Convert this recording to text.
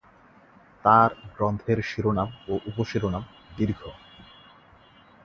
তাঁর গ্রন্থের শিরোনাম ও উপশিরোনাম দীর্ঘ।